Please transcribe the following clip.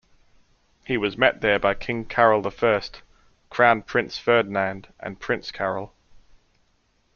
He was met there by King Carol I, Crown Prince Ferdinand and Prince Carol.